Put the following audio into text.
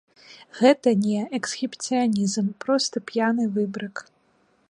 Гэта не эксгібіцыянізм, проста п'яны выбрык.